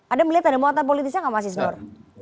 anda melihat ada muatan politisnya nggak mas isnur